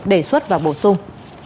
đề xuất và bổ sung